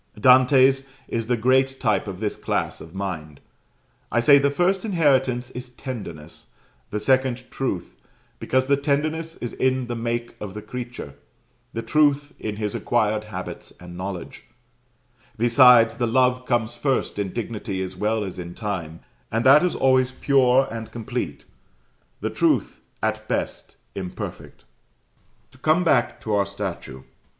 Dante's is the great type of this class of mind. I say the first inheritance is Tenderness the second Truth, because the Tenderness is in the make of the creature, the Truth in his acquired habits and knowledge; besides, the love comes first in dignity as well as in time, and that is always pure and complete: the truth, at best, imperfect. To come back to our statue.